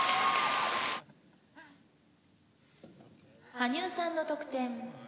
「羽生さんの得点。